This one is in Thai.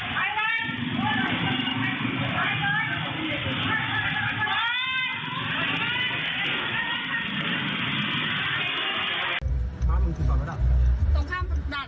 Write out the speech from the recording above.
ครั้งมันคือตอนระดับตรงครั้งตรงดาดสำรวงห้าสิบแปด